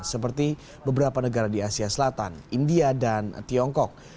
seperti beberapa negara di asia selatan india dan tiongkok